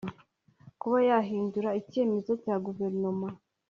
kuba yahindura icyemezo cya guverinoma